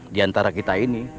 di antara kita ini